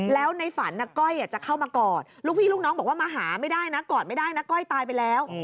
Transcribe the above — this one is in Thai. แล้วในฝันก้อยจะเข้ามากอดลูกพี่ลูกน้องบอกว่ามาหาไม่ได้นะกอดไม่ได้นะก้อยตายไปแล้ว